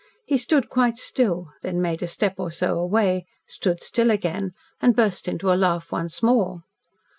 He stood quite still, then made a step or so away, stood still again, and burst into a laugh once more.